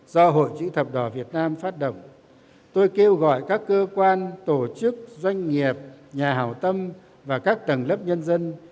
do hội chữ thập đỏ việt nam phát động tôi kêu gọi các cơ quan tổ chức doanh nghiệp nhà hảo tâm và các tầng lớp nhân dân